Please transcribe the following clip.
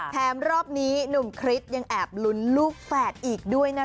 รอบนี้หนุ่มคริสยังแอบลุ้นลูกแฝดอีกด้วยนะคะ